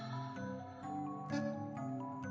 えっ。